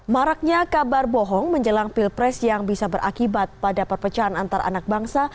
maraknya kabar bohong menjelang pilpres yang bisa berakibat pada perpecahan antar anak bangsa